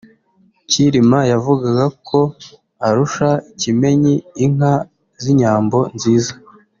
Cyilima yavugaga ko arusha Kimenyi inka z’inyambo nziza